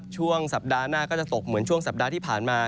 ช่วงสัปดาห์หน้าก็จะตกเหมือนช่วงสัปดาห์ที่ผ่านมา